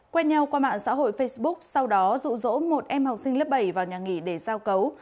quen nhau qua mạng xã hội facebook sau đó rụ rỗ một em học sinh lớp bảy vào nhà nghỉ để giao cấu